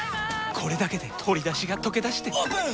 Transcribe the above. これだけで鶏だしがとけだしてオープン！